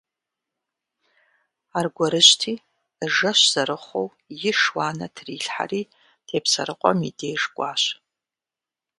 Аргуэрыжьти, жэщ зэрыхъуу иш уанэ трилъхьэри Тепсэрыкъуэм и деж кӀуащ.